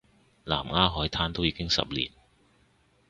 南丫海難都已經十年